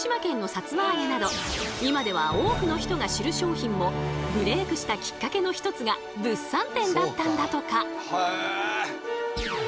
そのような今では多くの人が知る商品もブレークしたきっかけの一つが物産展だったんだとか！